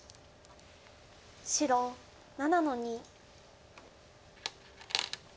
白７の二。